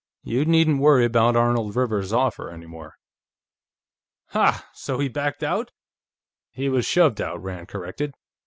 "You needn't worry about Arnold Rivers's offer, any more." "Ha! So he backed out?" "He was shoved out," Rand corrected.